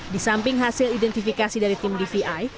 di samping hasil identifikasi dari tim dvi